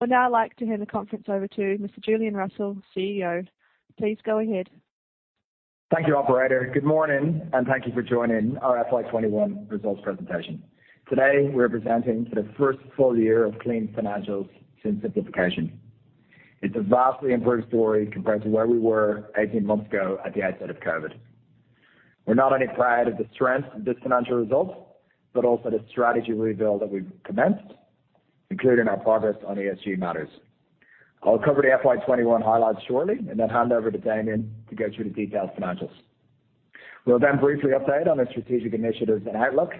I would now like to hand the conference over to Mr. Julian Russell, CEO. Please go ahead. Thank you, operator. Good morning, and thank you for joining our FY 2021 results presentation. Today, we're presenting for the first full year of clean financials since simplification. It's a vastly improved story compared to where we were 18 months ago at the outset of COVID. We're not only proud of the strength of this financial result, but also the strategy rebuild that we've commenced, including our progress on ESG matters. I'll cover the FY 2021 highlights shortly, and then hand over to Damien to go through the detailed financials. We'll then briefly update on our strategic initiatives and outlook.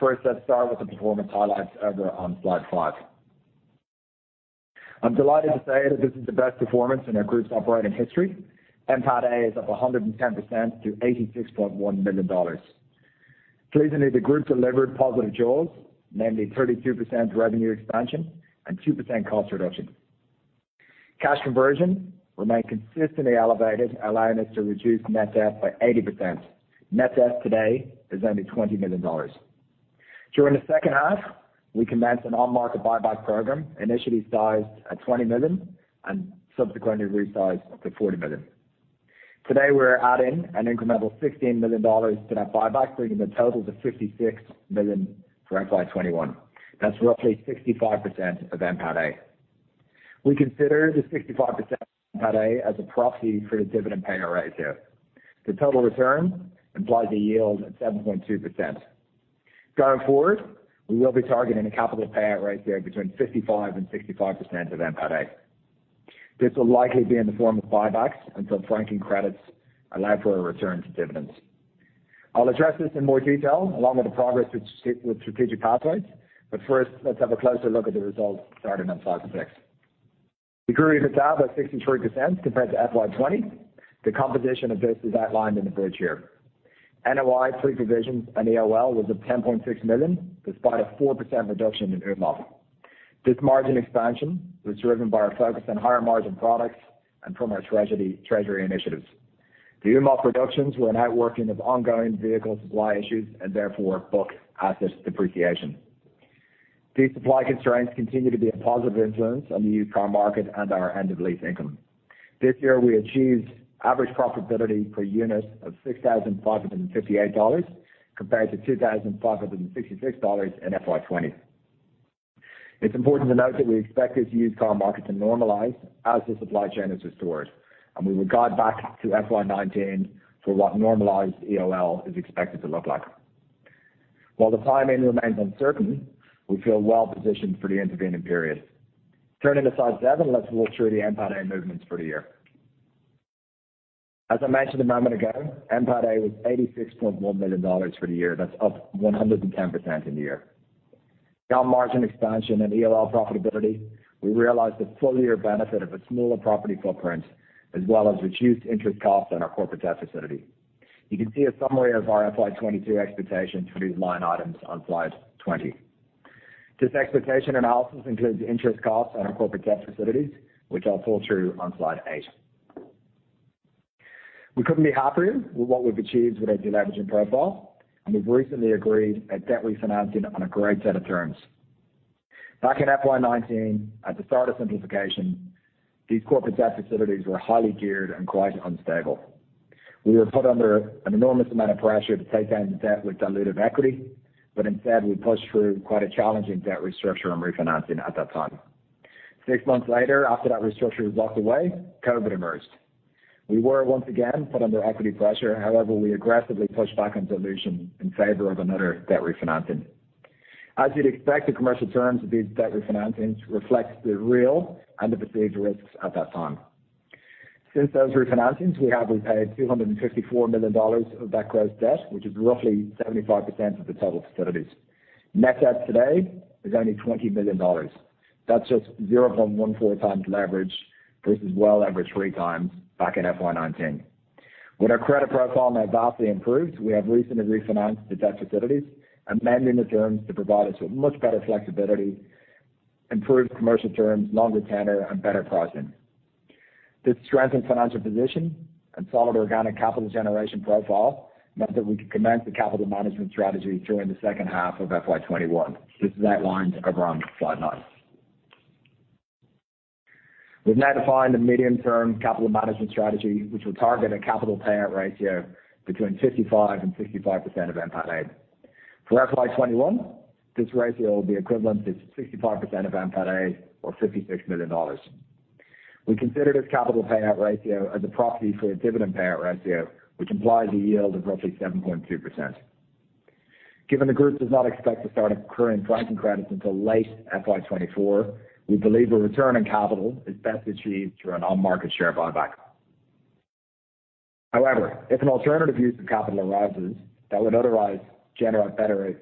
First, let's start with the performance highlights over on slide five. I'm delighted to say that this is the best performance in our group's operating history. NPATA is up 110% to 86.1 million dollars. Pleasingly, the group delivered positive jaws, namely 32% revenue expansion and 2% cost reduction. Cash conversion remained consistently elevated, allowing us to reduce net debt by 80%. Net debt today is only 20 million dollars. During the second half, we commenced an on-market buyback program, initially sized at 20 million and subsequently resized up to 40 million. Today, we're adding an incremental 16 million dollars to that buyback, bringing the total to 56 million for FY 2021. That's roughly 65% of NPATA. We consider the 65% of NPATA as a proxy for the dividend payout ratio. The total return implies a yield at 7.2%. Going forward, we will be targeting a capital payout ratio between 55% and 65% of NPATA. This will likely be in the form of buybacks until franking credits allow for a return to dividends. I'll address this in more detail along with the progress with Strategic Pathways. First, let's have a closer look at the results starting on slide six. The group EBITDA increased by 63% compared to FY 2020. The composition of this is outlined in the bridge here. NOI, pre-provision and EOL was at 10.6 million despite a 4% reduction in AUMOF. This margin expansion was driven by our focus on higher margin products and from our treasury initiatives. The AUMOF reductions were a net result of ongoing vehicle supply issues and, therefore, book asset depreciation. These supply constraints continue to be a positive influence on the used car market and our end of lease income. This year we achieved average profitability per unit of 6,558 dollars compared to 2,566 dollars in FY 2020. It's important to note that we expect this used car market to normalize as the supply chain is restored, and we go back to FY 2019 for what normalized EOL is expected to look like. While the timing remains uncertain, we feel well-positioned for the intervening period. Turning to slide seven, let's walk through the NPATA movements for the year. As I mentioned a moment ago, NPATA was 86.1 million dollars for the year. That's up 110% in the year. Our margin expansion and EOL profitability. We realized the full year benefit of a smaller property footprint as well as reduced interest costs on our corporate debt facility. You can see a summary of our FY 2022 expectations for these line items on slide 20. This expectation analysis includes interest costs on our corporate debt facilities, which I'll talk through on slide eight. We couldn't be happier with what we've achieved with our deleveraging profile, and we've recently agreed a debt refinancing on a great set of terms. Back in FY 2019, at the start of simplification, these corporate debt facilities were highly geared and quite unstable. We were put under an enormous amount of pressure to take down the debt with dilutive equity, but instead we pushed through quite a challenging debt restructure and refinancing at that time. Six months later, after that restructure was locked away, COVID emerged. We were once again put under equity pressure. However, we aggressively pushed back on dilution in favor of another debt refinancing. As you'd expect, the commercial terms of these debt refinancings reflect the real and the perceived risks at that time. Since those refinancings, we have repaid 254 million dollars of that gross debt, which is roughly 75% of the total facilities. Net debt today is only 20 million dollars. That's just 0.14x leverage versus well average three times back in FY 2019. With our credit profile now vastly improved, we have recently refinanced the debt facilities, amending the terms to provide us with much better flexibility, improved commercial terms, longer tenor, and better pricing. This strengthened financial position and solid organic capital generation profile meant that we could commence the capital management strategy during the second half of FY 2021. This is outlined over on slide nine. We've now defined a medium-term capital management strategy, which will target a capital payout ratio between 55% and 65% of NPATA. For FY 2021, this ratio will be equivalent to 65% of NPATA or 56 million dollars. We consider this capital payout ratio as a proxy for a dividend payout ratio, which implies a yield of roughly 7.2%. Given the group does not expect to start accruing franking credits until late FY 2024, we believe a return on capital is best achieved through an on-market share buyback. However, if an alternative use of capital arises that would otherwise generate better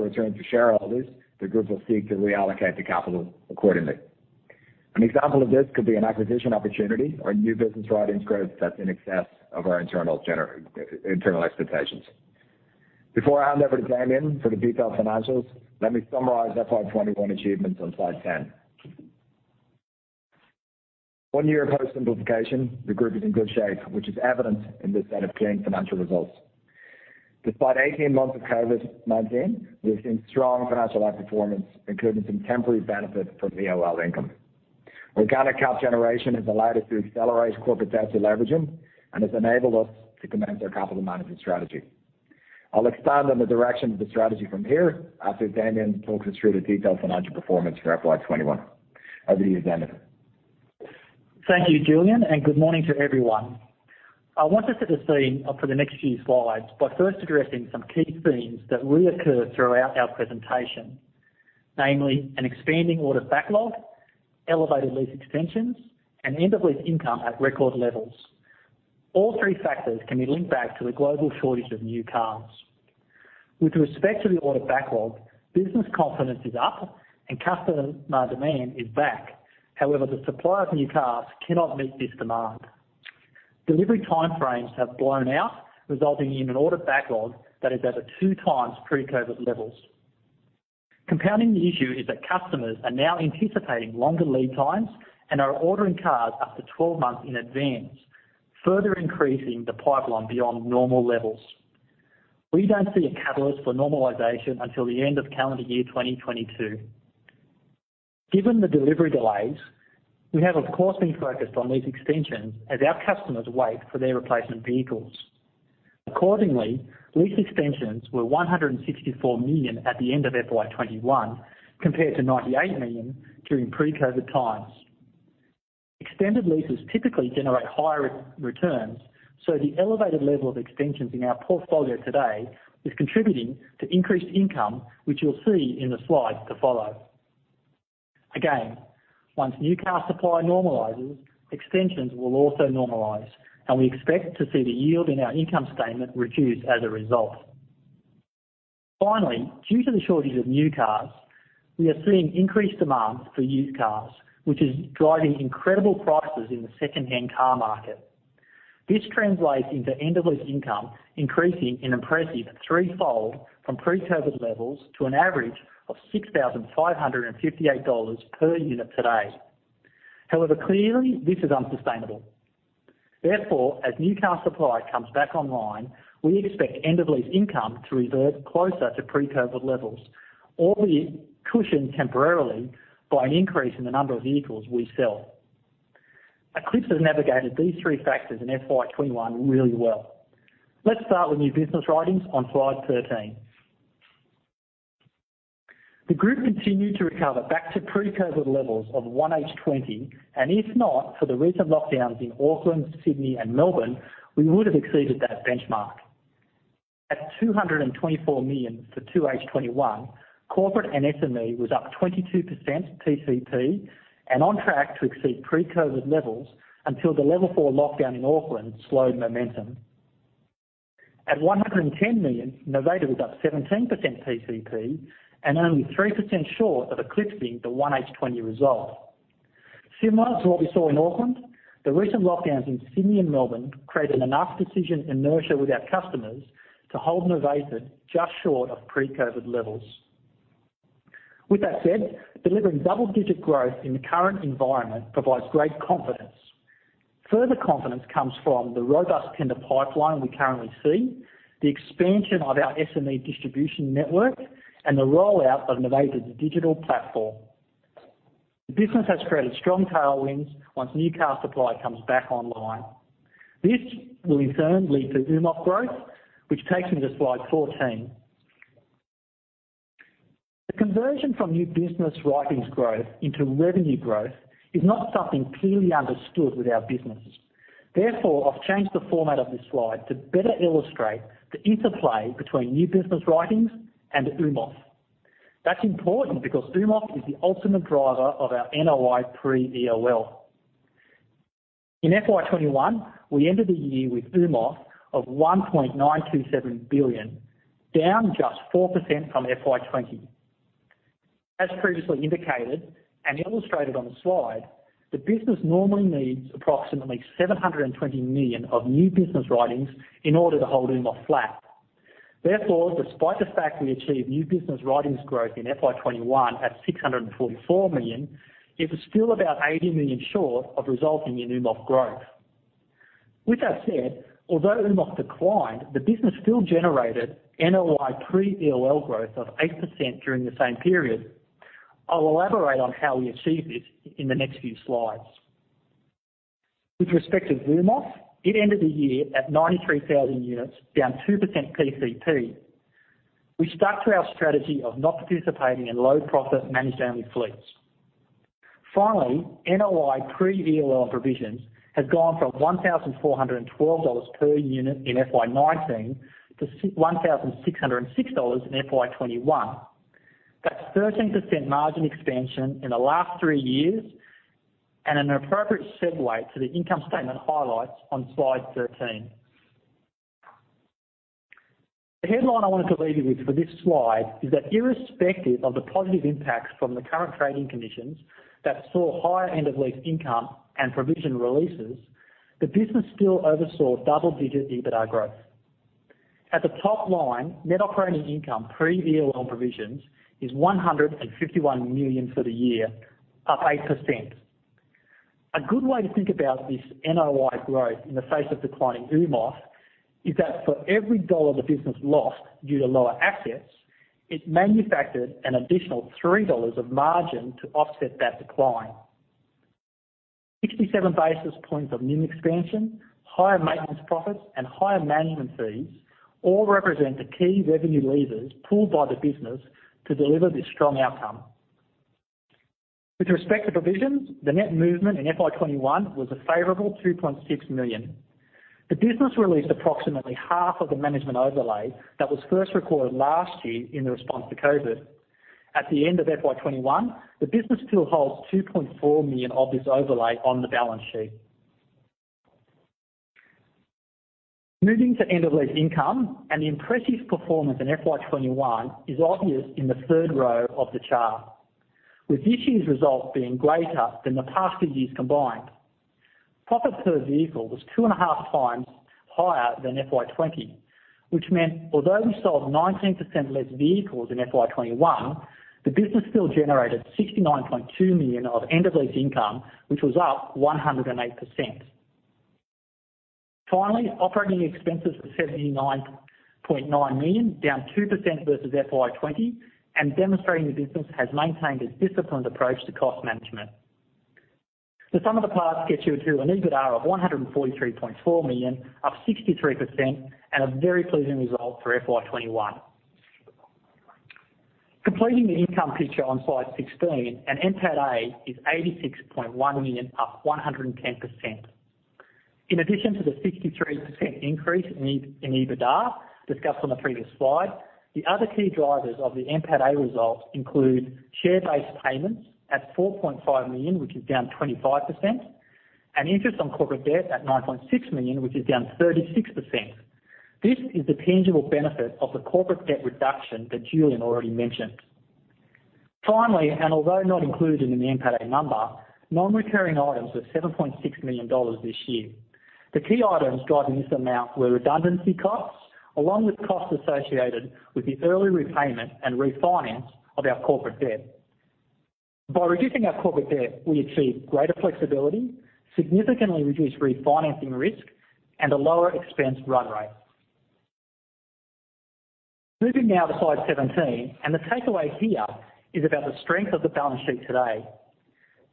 return for shareholders, the group will seek to reallocate the capital accordingly. An example of this could be an acquisition opportunity or a new business growth that's in excess of our internal expectations. Before I hand over to Damien for the detailed financials, let me summarize FY 2021 achievements on slide 10. One year post simplification, the group is in good shape, which is evident in this set of clean financial results. Despite 18 months of COVID-19, we've seen strong financial outperformance, including some temporary benefit from EOL income. Organic CapEx generation has allowed us to accelerate corporate debt deleveraging and has enabled us to commence our capital management strategy. I'll expand on the direction of the strategy from here after Damien talks us through the detailed financial performance for FY 2021. Over to you, Damien. Thank you, Julian, and good morning to everyone. I want to set the scene up for the next few slides by first addressing some key themes that reoccur throughout our presentation. Namely, an expanding order backlog, elevated lease extensions, and end of lease income at record levels. All three factors can be linked back to the global shortage of new cars. With respect to the order backlog, business confidence is up and customer demand is back. However, the supply of new cars cannot meet this demand. Delivery time frames have blown out, resulting in an order backlog that is at two times pre-COVID levels. Compounding the issue is that customers are now anticipating longer lead times and are ordering cars up to 12 months in advance, further increasing the pipeline beyond normal levels. We don't see a catalyst for normalization until the end of calendar year 2022. Given the delivery delays, we have of course, been focused on lease extensions as our customers wait for their replacement vehicles. Accordingly, lease extensions were 164 million at the end of FY 2021, compared to 98 million during pre-COVID times. Extended leases typically generate higher returns, so the elevated level of extensions in our portfolio today is contributing to increased income, which you'll see in the slides to follow. Again, once new car supply normalizes, extensions will also normalize, and we expect to see the yield in our income statement reduce as a result. Finally, due to the shortage of new cars, we are seeing increased demand for used cars, which is driving incredible prices in the second-hand car market. This translates into end of lease income increasing an impressive threefold from pre-COVID levels to an average of 6,558 dollars per unit today. However, clearly this is unsustainable. Therefore, as new car supply comes back online, we expect end of lease income to revert closer to pre-COVID levels, or be cushioned temporarily by an increase in the number of vehicles we sell. Eclipx has navigated these three factors in FY 2021 really well. Let's start with new business writings on slide 13. The group continued to recover back to pre-COVID levels of 1H 2020, and if not for the recent lockdowns in Auckland, Sydney and Melbourne, we would have exceeded that benchmark. At 224 million for 2H 2021, Corporate and SME was up 22% TCP, and on track to exceed pre-COVID levels until the level four lockdown in Auckland slowed momentum. At 110 million, Novated was up 17% TCP and only 3% short of eclipsing the 1H 2020 result. Similar to what we saw in Auckland, the recent lockdowns in Sydney and Melbourne created enough decision inertia with our customers to hold Novated just short of pre-COVID levels. With that said, delivering double-digit growth in the current environment provides great confidence. Further confidence comes from the robust tender pipeline we currently see, the expansion of our SME distribution network, and the rollout of Novated's digital platform. The business has created strong tailwinds once new car supply comes back online. This will in turn lead to AUMOF growth, which takes me to slide 14. The conversion from new business writings growth into revenue growth is not something clearly understood with our business. Therefore, I've changed the format of this slide to better illustrate the interplay between new business writings and AUMOF. That's important because AUMOF is the ultimate driver of our NOI pre-EOL. In FY 2021, we ended the year with AUMOF of 1.927 billion, down just 4% from FY 2020. As previously indicated and illustrated on the slide, the business normally needs approximately 720 million of new business writings in order to hold AUMOF flat. Therefore, despite the fact we achieved new business writings growth in FY 2021 at 644 million, it was still about 80 million short of resulting in AUMOF growth. With that said, although AUMOF declined, the business still generated NOI pre-EOL growth of 8% during the same period. I'll elaborate on how we achieved this in the next few slides. With respect to UMOF, it ended the year at 93,000 units, down 2% PCP. We stuck to our strategy of not participating in low profit managed-only fleets. Finally, NOI pre-EOL provisions have gone from AUD 1,412 per unit in FY 2019 to AUD 1606 in FY 2021. That's 13% margin expansion in the last three years and an appropriate segue to the income statement highlights on slide 13. The headline I wanted to leave you with for this slide is that irrespective of the positive impacts from the current trading conditions that saw higher end of lease income and provision releases, the business still oversaw double-digit EBITDA growth. At the top line, net operating income pre-EOL provisions is 151 million for the year, up 8%. A good way to think about this NOI growth in the face of declining AUMOF is that for every AUD 1 the business lost due to lower assets, it manufactured an additional 3 dollars of margin to offset that decline. 67 basis points of new expansion, higher maintenance profits, and higher management fees all represent the key revenue levers pulled by the business to deliver this strong outcome. With respect to provisions, the net movement in FY 2021 was a favorable 2.6 million. The business released approximately half of management overlay that was first recorded last year in the response to COVID. At the end of FY 2021, the business still holds 2.4 million of this overlay on the balance sheet. Moving to end-of-lease income, and the impressive performance in FY 2021 is obvious in the third row of the chart, with this year's result being greater than the past two years combined. Profit per vehicle was 2.5x higher than FY 2020, which meant although we sold 19% less vehicles in FY 2021, the business still generated 69.2 million of end-of-lease income, which was up 108%. Finally, operating expenses were 79.9 million, down 2% versus FY 2020 and demonstrating the business has maintained its disciplined approach to cost management. The sum of the parts gets you to an EBITDA of 143.4 million, up 63% and a very pleasing result for FY 2021. Completing the income picture on slide 16, NPATA is 86.1 million, up 110%. In addition to the 63% increase in EBITDA discussed on the previous slide, the other key drivers of the NPATA results include share-based payments at 4.5 million, which is down 25%, and interest on corporate debt at 9.6 million, which is down 36%. This is the tangible benefit of the corporate debt reduction that Julian already mentioned. Finally, although not included in the NPATA number, non-recurring items were 7.6 million dollars this year. The key items driving this amount were redundancy costs, along with costs associated with the early repayment and refinance of our corporate debt. By reducing our corporate debt, we achieved greater flexibility, significantly reduced refinancing risk, and a lower expense run rate. Moving now to slide 17. The takeaway here is about the strength of the balance sheet today.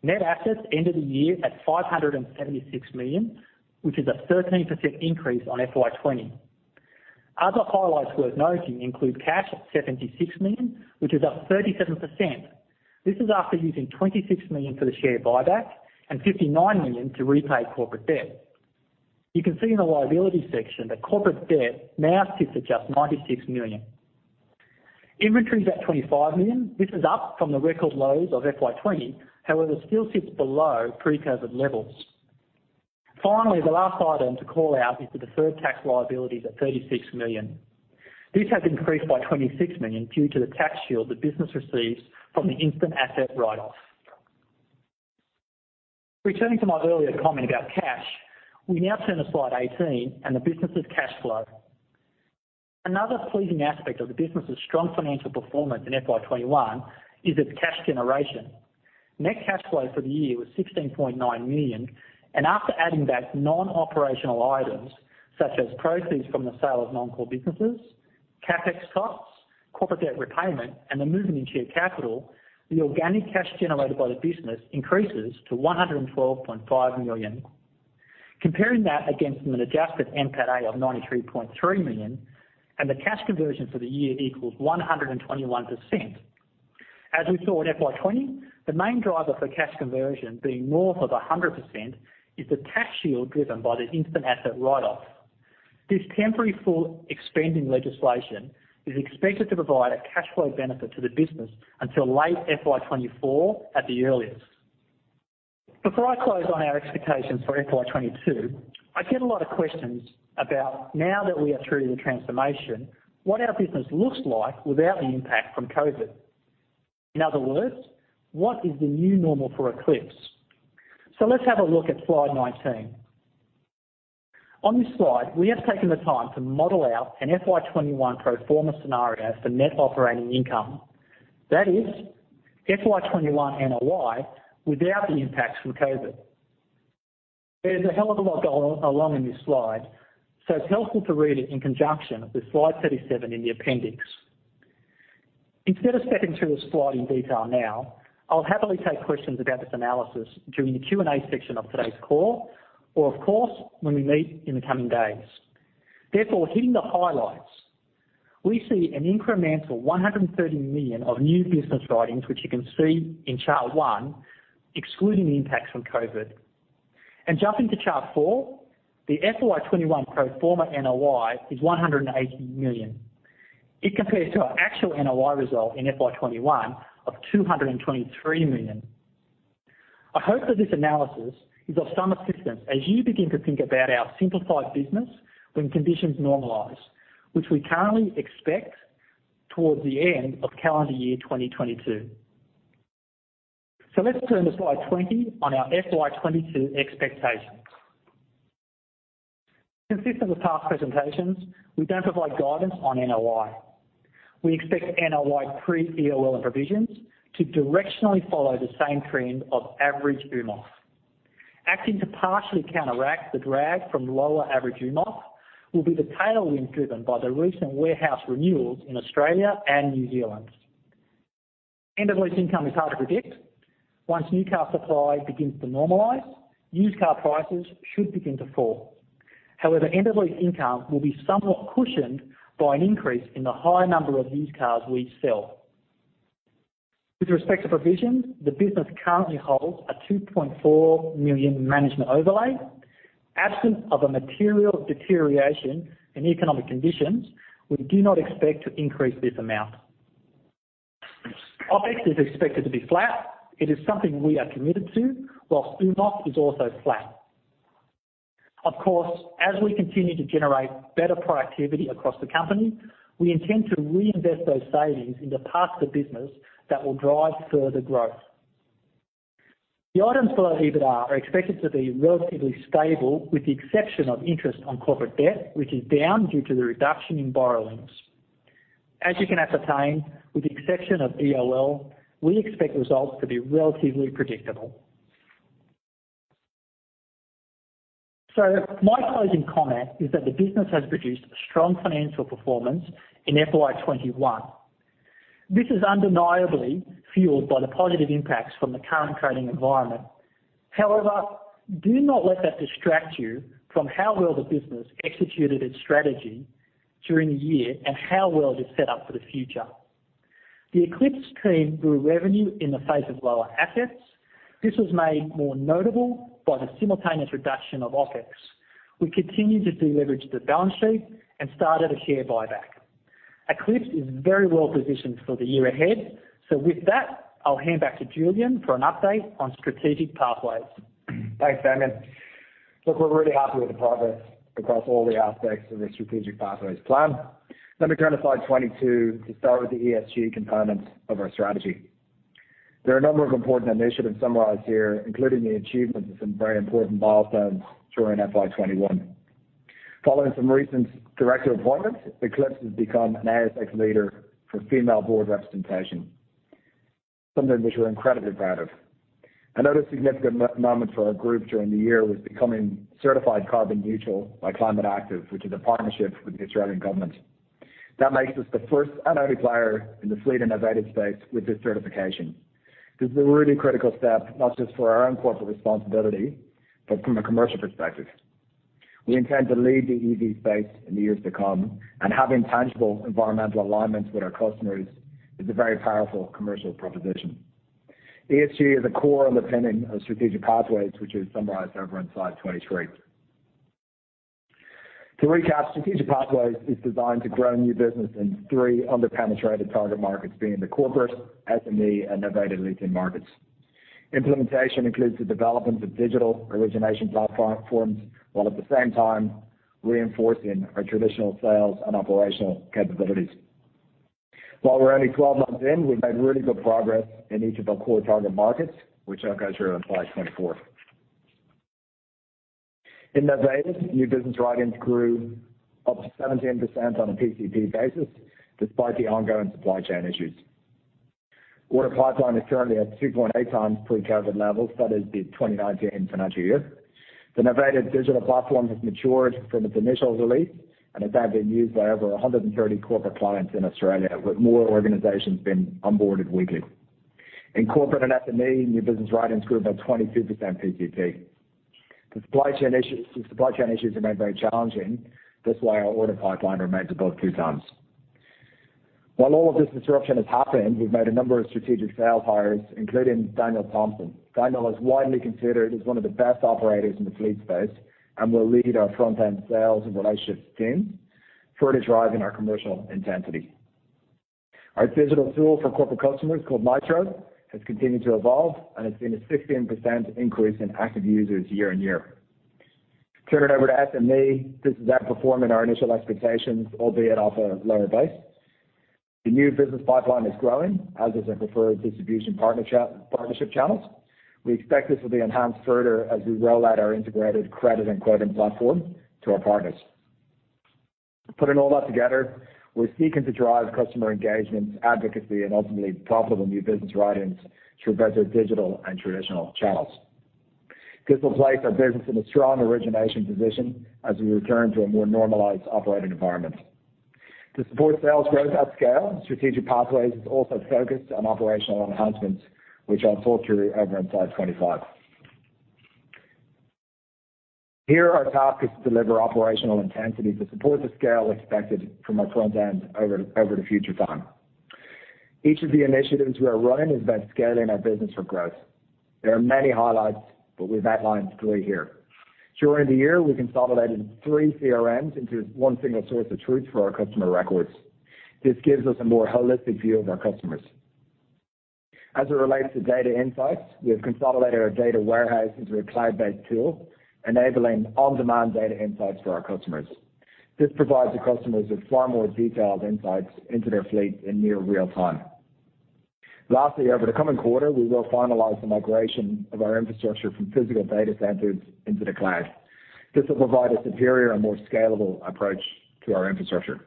Net assets ended the year at 576 million, which is a 13% increase on FY 2020. Other highlights worth noting include cash at 76 million, which is up 37%. This is after using 26 million for the share buyback and 59 million to repay corporate debt. You can see in the liability section that corporate debt now sits at just 96 million. Inventory's at 25 million. This is up from the record lows of FY 2020, however, still sits below pre-COVID levels. Finally, the last item to call out is the deferred tax liability at 36 million. This has increased by 26 million due to the tax shield the business receives from the instant asset write-off. Returning to my earlier comment about cash, we now turn to slide 18 and the business' cash flow. Another pleasing aspect of the business' strong financial performance in FY 2021 is its cash generation. Net cash flow for the year was 16.9 million, and after adding back non-operational items such as proceeds from the sale of non-core businesses, CapEx costs, corporate debt repayment, and the movement in share capital, the organic cash generated by the business increases to 112.5 million. Comparing that against an adjusted NPATA of 93.3 million and the cash conversion for the year equals 121%. As we saw in FY 2020, the main driver for cash conversion being north of 100% is the tax shield driven by the instant asset write-off. This temporary full expensing legislation is expected to provide a cash flow benefit to the business until late FY 2024 at the earliest. Before I close on our expectations for FY 2022, I get a lot of questions about, now that we are through the transformation, what our business looks like without the impact from COVID. In other words, what is the new normal for Eclipx? Let's have a look at slide 19. On this slide, we have taken the time to model out an FY 2021 pro forma scenario for net operating income. That is FY 2021 NOI without the impacts from COVID. There's a hell of a lot going on in this slide, so it's helpful to read it in conjunction with slide 37 in the appendix. Instead of stepping through the slide in detail now, I'll happily take questions about this analysis during the Q&A section of today's call or, of course, when we meet in the coming days. Therefore, hitting the highlights, we see an incremental 130 million of new business writings, which you can see in chart one, excluding the impacts from COVID. Jumping to chart four, the FY 2021 pro forma NOI is 180 million. It compares to our actual NOI result in FY 2021 of 223 million. I hope that this analysis is of some assistance as you begin to think about our simplified business when conditions normalize, which we currently expect towards the end of calendar year 2022. Let's turn to slide 20 on our FY 2022 expectations. Consistent with past presentations, we don't provide guidance on NOI. We expect NOI pre-EOL and provisions to directionally follow the same trend of average AUMOF. Acting to partially counteract the drag from lower average AUMOF will be the tailwind driven by the recent warehouse renewals in Australia and New Zealand. End-of-lease income is hard to predict. Once new car supply begins to normalize, used car prices should begin to fall. However, end-of-lease income will be somewhat cushioned by an increase in the high number of used cars we sell. With respect to provisions, the business currently holds an 2.4 million management overlay. Absent of a material deterioration in economic conditions, we do not expect to increase this amount. OpEx is expected to be flat. It is something we are committed to, while AUMOF is also flat. Of course, as we continue to generate better productivity across the company, we intend to reinvest those savings into parts of the business that will drive further growth. The items below EBITDA are expected to be relatively stable with the exception of interest on corporate debt, which is down due to the reduction in borrowings. As you can ascertain, with the exception of EOL, we expect results to be relatively predictable. My closing comment is that the business has produced a strong financial performance in FY 2021. This is undeniably fueled by the positive impacts from the current trading environment. However, do not let that distract you from how well the business executed its strategy during the year and how well it is set up for the future. The Eclipx team grew revenue in the face of lower assets. This was made more notable by the simultaneous reduction of OpEx. We continue to deleverage the balance sheet and started a share buyback. Eclipx is very well positioned for the year ahead. With that, I'll hand back to Julian for an update on Strategic Pathways. Thanks, Damien. Look, we're really happy with the progress across all the aspects of the strategic pathways plan. Let me turn to slide 22 to start with the ESG components of our strategy. There are a number of important initiatives summarized here, including the achievement of some very important milestones during FY 2021. Following some recent director appointments, Eclipx has become an ASX leader for female board representation, something which we're incredibly proud of. Another significant moment for our group during the year was becoming certified carbon neutral by Climate Active, which is a partnership with the Australian government. That makes us the first and only player in the fleet and Novated space with this certification. This is a really critical step, not just for our own corporate responsibility, but from a commercial perspective. We intend to lead the EV space in the years to come, and having tangible environmental alignments with our customers is a very powerful commercial proposition. ESG is a core underpinning of Strategic Pathways, which is summarized over on slide 23. To recap, Strategic Pathways is designed to grow new business in three under-penetrated target markets being the corporate, SME, and Novated leasing markets. Implementation includes the development of digital origination platforms, while at the same time reinforcing our traditional sales and operational capabilities. While we're only 12 months in, we've made really good progress in each of our core target markets, which I'll go through on slide 24. In Novated, new business write-ins grew by 17% on a PCP basis despite the ongoing supply chain issues. Order pipeline is currently at 2.8x pre-COVID levels, that is, the 2019 financial year. The Novated digital platform has matured from its initial release and is now being used by over 130 corporate clients in Australia, with more organizations being onboarded weekly. In corporate and SME, new business write-ins grew by 22% PCP. The supply chain issues remain very challenging. That's why our order pipeline remains above 2x. While all of this disruption has happened, we've made a number of strategic sales hires, including Daniel Thompson. Daniel is widely considered as one of the best operators in the fleet space and will lead our front-end sales and relationships team, further driving our commercial intensity. Our digital tool for corporate customers called Nitro has continued to evolve and has seen a 16% increase in active users year-over-year. Turn it over to SME. This is outperforming our initial expectations, albeit off a lower base. The new business pipeline is growing, as is our preferred distribution partnership channels. We expect this will be enhanced further as we roll out our integrated credit and quoting platform to our partners. Putting all that together, we're seeking to drive customer engagement, advocacy, and ultimately profitable new business write-ins through both our digital and traditional channels. This will place our business in a strong origination position as we return to a more normalized operating environment. To support sales growth at scale, Strategic Pathways is also focused on operational enhancements, which I'll talk through over on slide 25. Here, our task is to deliver operational intensity to support the scale expected from our front end over the future time. Each of the initiatives we are running is about scaling our business for growth. There are many highlights, but we've outlined three here. During the year, we consolidated three CRMs into one single source of truth for our customer records. This gives us a more holistic view of our customers. As it relates to data insights, we have consolidated our data warehouse into a cloud-based tool, enabling on-demand data insights for our customers. This provides the customers with far more detailed insights into their fleet in near real time. Lastly, over the coming quarter, we will finalize the migration of our infrastructure from physical data centers into the cloud. This will provide a superior and more scalable approach to our infrastructure.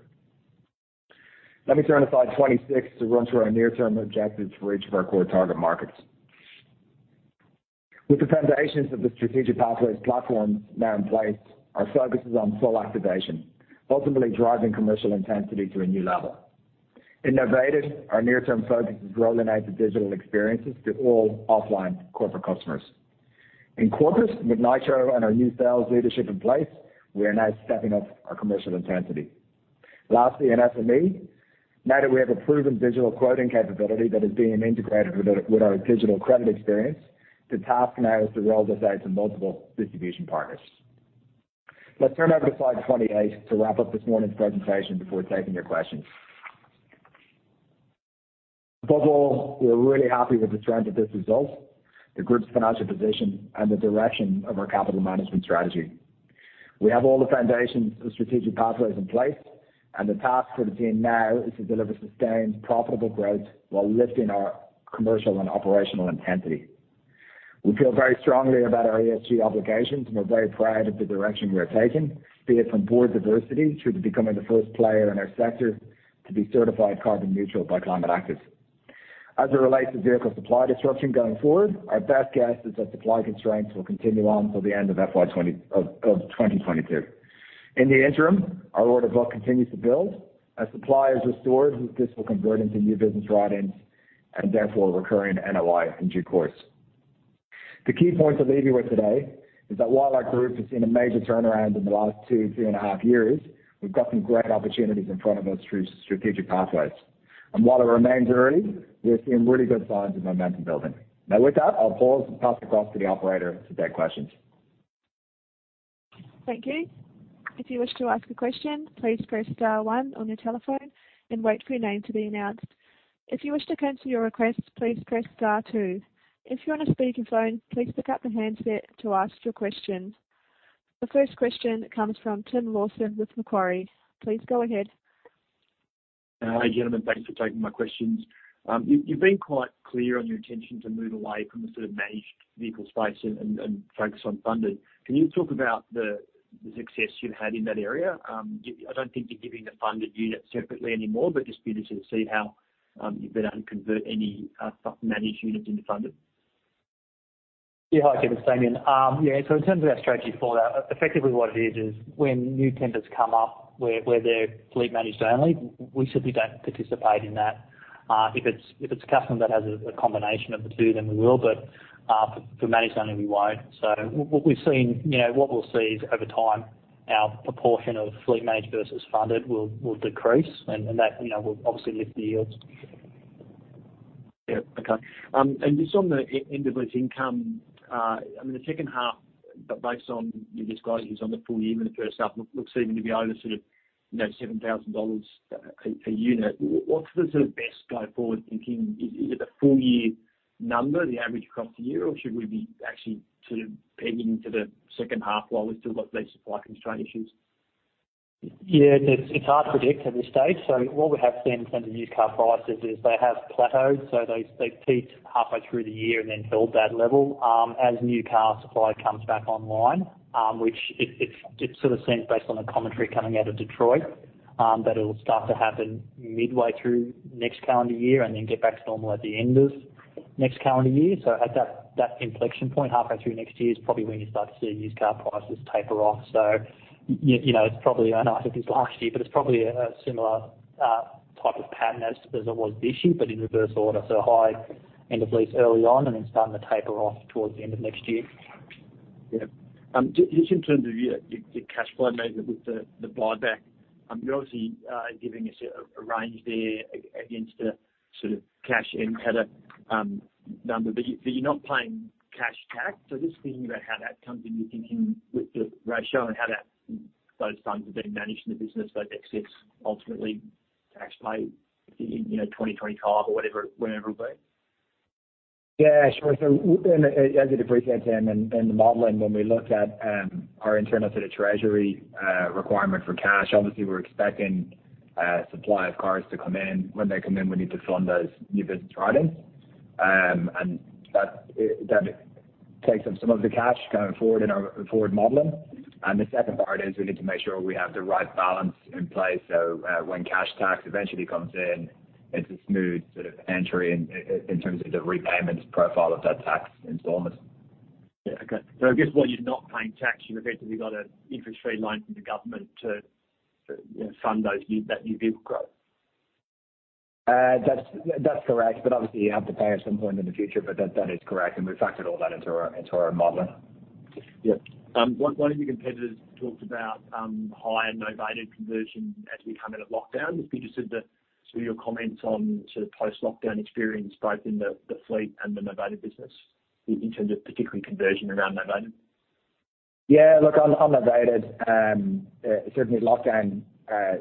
Let me turn to slide 26 to run through our near-term objectives for each of our core target markets. With the foundations of the Strategic Pathways platform now in place, our focus is on full activation, ultimately driving commercial intensity to a new level. In Novated, our near-term focus is rolling out the digital experiences to all offline corporate customers. In corporates, with Nitro and our new sales leadership in place, we are now stepping up our commercial intensity. Lastly, in SME, now that we have a proven digital quoting capability that is being integrated with our digital credit experience, the task now is to roll this out to multiple distribution partners. Let's turn over to slide 28 to wrap up this morning's presentation before taking your questions. Above all, we are really happy with the strength of this result, the group's financial position, and the direction of our capital management strategy. We have all the foundations for Strategic Pathways in place, and the task for the team now is to deliver sustained, profitable growth while lifting our commercial and operational intensity. We feel very strongly about our ESG obligations, and we're very proud of the direction we are taking, be it from board diversity to becoming the first player in our sector to be certified carbon neutral by Climate Active. As it relates to vehicle supply disruption going forward, our best guess is that supply constraints will continue on till the end of FY 2022. In the interim, our order book continues to build. As supply is restored, this will convert into new business write-ins and therefore recurring NOI in due course. The key points to leave you with today is that while our group has seen a major turnaround in the last two, three and a half years, we've got some great opportunities in front of us through Strategic Pathways. While it remains early, we are seeing really good signs of momentum building. Now with that, I'll pause and pass across to the operator to take questions. Thank you. If you wish to ask a question, please press star one on your telephone and wait for your name to be announced. If you wish to cancel your request, please press star two. If you're on a speakerphone, please pick up the handset to ask your question. The first question comes from Tim Lawson with Macquarie. Please go ahead. Hi, gentlemen. Thanks for taking my questions. You've been quite clear on your intention to move away from the sort of managed vehicle space and focus on funded. Can you talk about the success you've had in that area? I don't think you're giving the funded units separately anymore, but I'd just be interested to see how you've been able to convert any managed units into funded. Yeah. Hi, Tim. It's Damien. Yeah, so in terms of our strategy forward, effectively what it is when new tenders come up where they're fleet managed only, we simply don't participate in that. If it's a customer that has a combination of the two, then we will, but for managed only, we won't. What we've seen. You know, what we'll see is over time, our proportion of fleet managed versus funded will decrease, and that will obviously lift the yields. Yeah. Okay. Just on the end of lease income, I mean, the second half, based on your disclosures on the full year and the first half, looks even to be over sort of, you know, 7,000 dollars per unit. What's the sort of best go forward thinking? Is it the full year number, the average across the year, or should we be actually sort of pegging to the second half while we've still got these supply constraint issues? Yeah. It's hard to predict at this stage. What we have seen in terms of used car prices is they have plateaued. They peaked halfway through the year and then held that level. As new car supply comes back online, which it sort of seems based on the commentary coming out of Detroit, that it'll start to happen midway through next calendar year and then get back to normal at the end of next calendar year. At that inflection point, halfway through next year, is probably when you start to see used car prices taper off. You know, it's probably. I know it is last year, but it's probably a similar type of pattern as it was this year, but in reverse order, so high end of lease early on and then starting to taper off towards the end of next year. Yeah. Just in terms of your cash flow measure with the buyback, you're obviously giving a sort of a range there against the sort of cash NPATA number. You're not paying cash tax, so just thinking about how that comes into your thinking with the ratio and how those funds are being managed in the business, those excess ultimately tax payments in, you know, 2025 or whatever, whenever it'll be. Yeah, sure. As you'd appreciate, Tim, in the modeling, when we look at our internal sort of treasury requirement for cash, obviously we're expecting supply of cars to come in. When they come in, we need to fund those new business write-ins. That takes up some of the cash going forward in our forward modeling. The second part is we need to make sure we have the right balance in place so when cash tax eventually comes in, it's a smooth sort of entry in terms of the repayments profile of that tax installments. Yeah. Okay. I guess while you're not paying tax, you've effectively got an interest-free loan from the government to you know fund that new vehicle growth. That's correct. Obviously you have to pay it at some point in the future, but that is correct. We've factored all that into our modeling. One of your competitors talked about higher Novated conversion as we come out of lockdown. I'd just be interested to sort of your comments on sort of post-lockdown experience both in the fleet and the Novated business in terms of particularly conversion around Novated. Yeah. Look, on Novated, certainly lockdown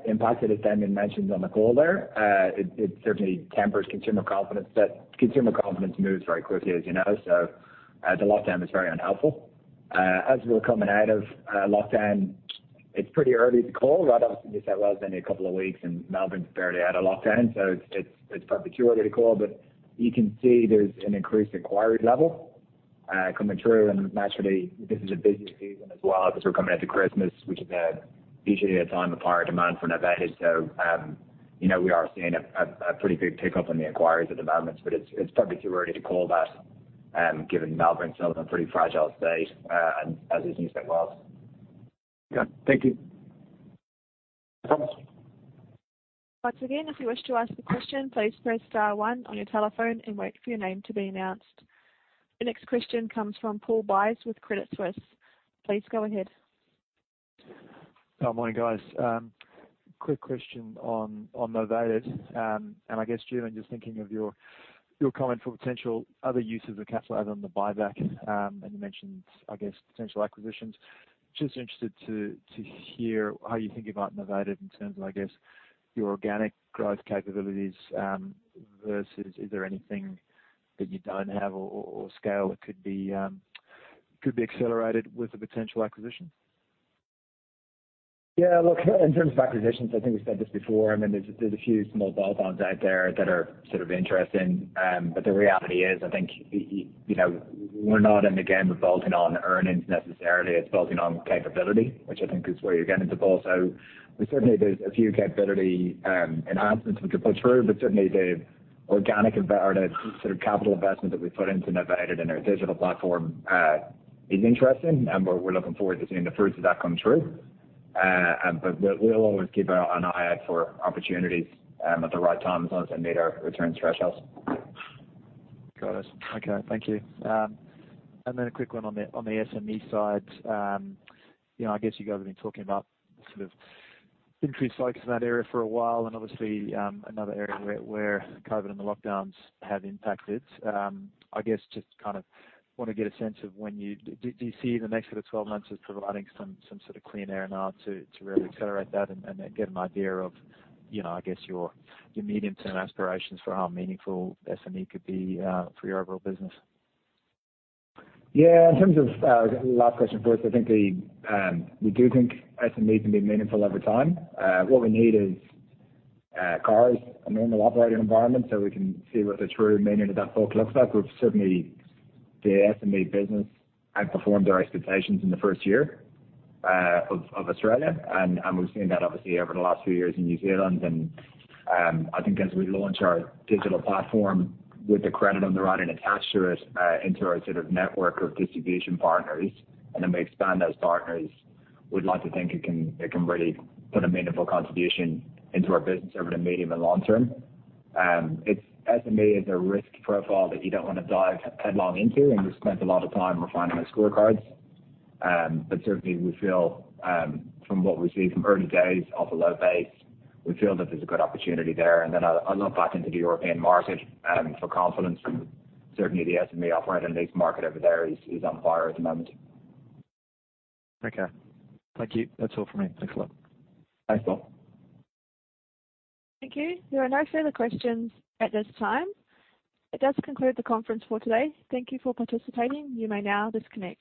impacted, as Damien mentioned on the call there. It certainly tempers consumer confidence, but consumer confidence moves very quickly, as you know. The lockdown was very unhelpful. As we were coming out of lockdown. It's pretty early to call. Right, obviously, New South Wales only a couple of weeks, and Melbourne's barely out of lockdown, so it's probably too early to call. You can see there's an increased inquiry level coming through. Naturally, this is a busy season as well, because we're coming up to Christmas, which is usually a time of higher demand for Novated. You know, we are seeing a pretty big pickup in the inquiries at the moment, but it's probably too early to call that, given Melbourne's still in a pretty fragile state, as is New South Wales. Yeah. Thank you. Once again, if you wish to ask the question, please press star one on your telephone and wait for your name to be announced. The next question comes from Paul Buys with Credit Suisse. Please go ahead. Oh, morning, guys. Quick question on Novated. I guess, Julian, just thinking of your comment for potential other uses of capital other than the buyback, and you mentioned, I guess, potential acquisitions. Just interested to hear how you think about Novated in terms of, I guess, your organic growth capabilities, versus is there anything that you don't have or scale that could be accelerated with a potential acquisition? Yeah, look, in terms of acquisitions, I think we said this before. I mean, there's a few small bolt-ons out there that are sort of interesting. The reality is, I think, you know, we're not in the game of bolting on earnings necessarily. It's bolting on capability, which I think is where you're getting to, Paul. Certainly there's a few capability enhancements we can put through, but certainly the organic or the sort of capital investment that we put into Novated and their digital platform is interesting, and we're looking forward to seeing the fruits of that come through. We'll always keep an eye out for opportunities at the right time, as long as they meet our returns thresholds. Got it. Okay. Thank you. A quick one on the SME side. You know, I guess you guys have been talking about the sort of increased focus in that area for a while and obviously, another area where COVID and the lockdowns have impacted. I guess just kind of wanna get a sense of when you do you see the next sort of 12 months as providing some sort of clear air now to really accelerate that and get an idea of, you know, I guess your medium-term aspirations for how meaningful SME could be for your overall business? Yeah. In terms of last question first, I think we do think SME can be meaningful over time. What we need is cars, a normal operating environment so we can see what the true meaning of that book looks like. But certainly the SME business outperformed our expectations in the first year in Australia. We've seen that obviously over the last few years in New Zealand. I think as we launch our digital platform with the credit underwriting attached to it into our sort of network of distribution partners, and then we expand those partners, we'd like to think it can really put a meaningful contribution into our business over the medium and long term. SME is a risk profile that you don't wanna dive headlong into, and we've spent a lot of time refining the scorecards. Certainly we feel, from what we see from early days of a low base, we feel that there's a good opportunity there. I look back into the European market for confidence. Certainly the SME operator lease market over there is on fire at the moment. Okay. Thank you. That's all for me. Thanks a lot. Thanks, Paul. Thank you. There are no further questions at this time. That does conclude the conference for today. Thank you for participating. You may now disconnect.